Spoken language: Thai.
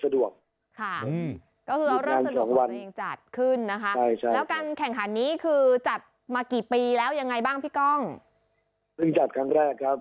ทำย่างจัดครั้งแรกครับ